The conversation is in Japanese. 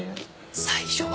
「最初は」